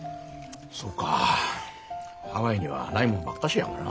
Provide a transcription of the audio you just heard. そうかハワイにはないもんばっかしやもな。